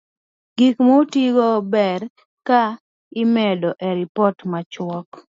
Gik ma otigo ber ka imedo e ripot machuok